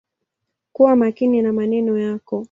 Kuwa makini na maneno yako.